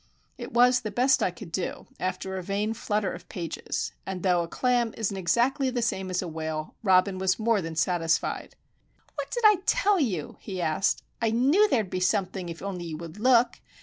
It was the best I could do, after a vain flutter of pages, and though a clam isn't exactly the same as a whale, Robin was more than satisfied. "What did I tell you?" he asked. "I knew there'd be something if only you would look!